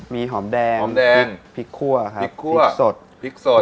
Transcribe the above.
มีหอมแดงพริกคั่วพริกสด